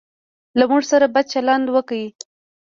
له موږ سره بد چلند وکړ.